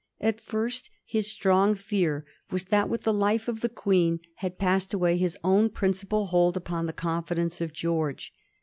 At first his strong fear was that with the life of the Queen had passed away his own principal hold upon the confidence of George.